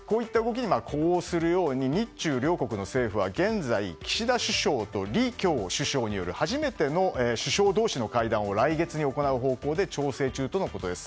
こういった動きに呼応するように日中両国の政府は岸田首相と李強首相による首相同士の会談を来月に行う方向で調整中とのことです。